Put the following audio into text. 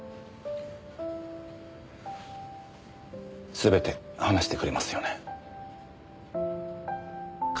すべて話してくれますよね？